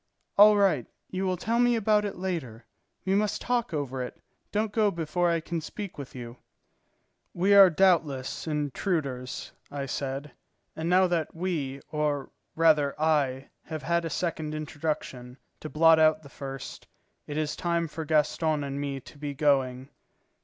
"All right. You will tell me about it later. We must talk over it; don't go before I can speak with you." "We are doubtless intruders," I said, "and now that we, or rather I, have had a second introduction, to blot out the first, it is time for Gaston and me to be going."